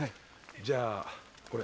じゃあこれ。